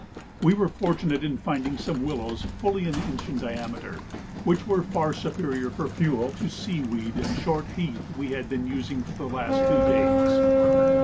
We were fortunate in finding some willows fully an inch in diameter, which were far superior for fuel to the sea weed and short heath we had been using for the last two days.